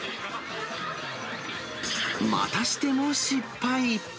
またしても失敗。